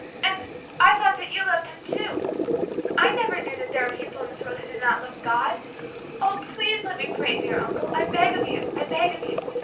And I thought that you loved Him too. I never knew that there were people in this world who did not love God. Oh, please let me pray, dear uncle. I beg of you, I beg of you.